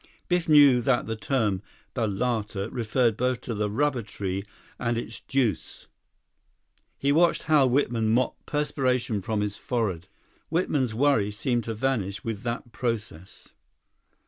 Biff knew that the term balata referred both to the rubber tree and its juice. He watched Hal Whitman mop perspiration from his forehead. Whitman's worry seemed to vanish with that process.